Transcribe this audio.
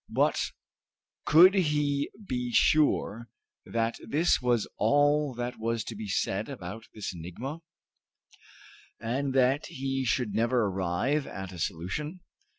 But could he be sure that this was all that was to be said about this enigma, and that he should never arrive at a solution?